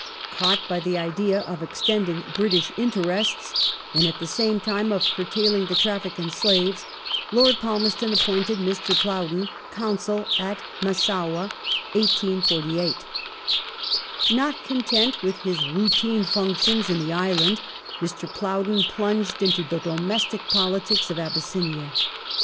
Caught by the idea of extending British interests, and at the same time of curtailing the traffic in slaves. Lord Palmerston appointed Mr. Plowden Consul at Mas sowah (1848). Not content with his routine functions in the island, Mr. Plowden plunged into the domestic politics of Abys sinia.